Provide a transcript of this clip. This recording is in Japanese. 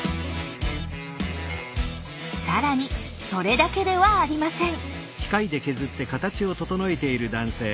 更にそれだけではありません。